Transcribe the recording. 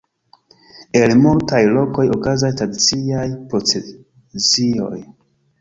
En multaj lokoj okazas tradiciaj procesioj.